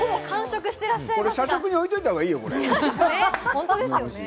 社食に置いておいた方がいいよこれ。